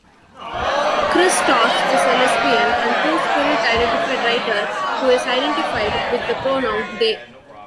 Chrystos is a Lesbian- and Two-Spirit-identified writer, who is identified with the pronoun "they".